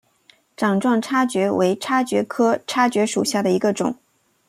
掌状叉蕨为叉蕨科叉蕨属下的一个种。